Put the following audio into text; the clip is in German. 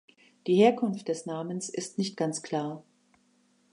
Die Herkunft des Namens ist nicht ganz klar.